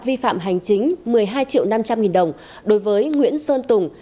vi phạm hành chính một mươi hai triệu năm trăm linh nghìn đồng đối với nguyễn sơn tùng